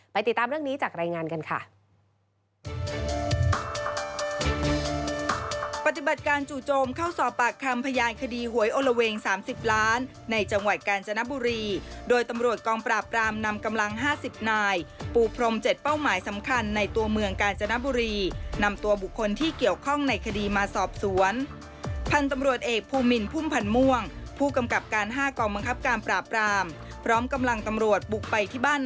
ติดตามเรื่องนี้จากรายงานกันค่ะ